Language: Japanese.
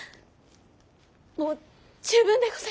もう十分でござい。